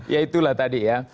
ya itulah tadi ya